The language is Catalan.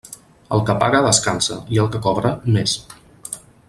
El que paga, descansa, i el que cobra, més.